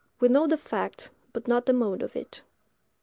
We know the fact, but not the mode of it.